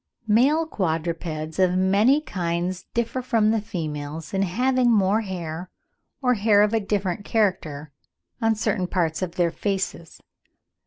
] Male quadrupeds of many kinds differ from the females in having more hair, or hair of a different character, on certain parts of their faces.